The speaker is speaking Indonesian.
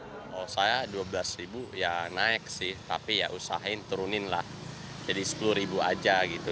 kalau saya rp dua belas ya naik sih tapi ya usahain turuninlah jadi rp sepuluh aja gitu